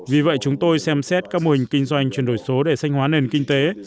vì vậy chúng tôi xem xét các mô hình kinh doanh chuyển đổi số để sanh hóa nền kinh tế